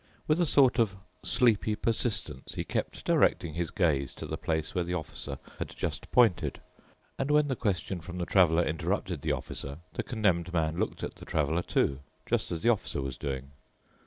With a sort of sleepy persistence he kept directing his gaze to the place where the Officer had just pointed, and when the question from the Traveler interrupted the Officer, the Condemned Man looked at the Traveler, too, just as the Officer was doing.